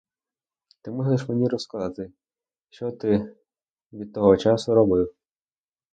Ти мусиш мені розказати, що ти від того часу робив.